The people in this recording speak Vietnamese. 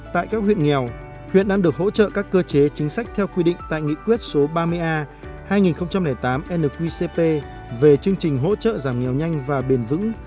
tại các huyện nghèo huyện đang được hỗ trợ các cơ chế chính sách theo quy định tại nghị quyết số ba mươi a hai nghìn tám nqcp về chương trình hỗ trợ giảm nghèo nhanh và bền vững